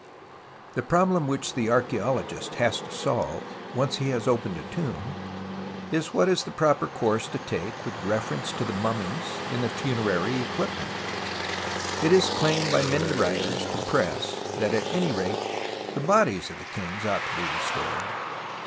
The problem whicli the archfuologist has to solve, once he has opened a tomb, is what is the proper course to take with reference to tlie mummies and the fimerary equipment. It is claimed by many writers to the Press that at any rate the bodies of the kings ought to be restored.